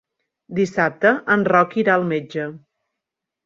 Dissabte en Roc irà al metge.